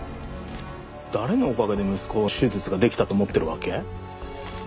誰のおかげで息子の手術ができたと思ってるわけ？